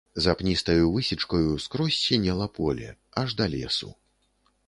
За пністаю высечкаю скрозь сінела поле, аж да лесу.